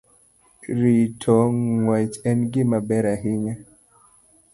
Rito ng'wech en gima ber ahinya